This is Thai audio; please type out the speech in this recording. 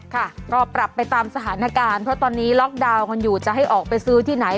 ค่ะก็ปรับไปตามสถานการณ์เพราะตอนนี้ล็อกดาวน์กันอยู่จะให้ออกไปซื้อที่ไหน